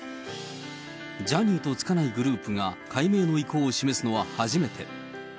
ジャニーとつかないグループが改名の意向を示すのは初めて。